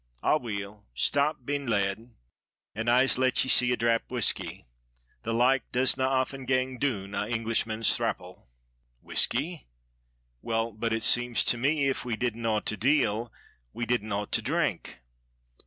Aweel, stap ben led, and I'se let ye see a drap whisky. The like does na aften gang doon an Englishman's thrapple." "Whisky? Well, but it seems to me if we didn't ought to deal we didn't ought to drink."